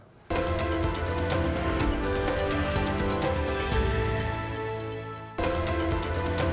ketika dipercaya kemampuan dari penyelidikan yang dipercayai